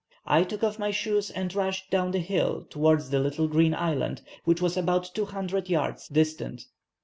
I took off my shoes, and rushed down the hill towards the little green island, which was about two hundred yards distant.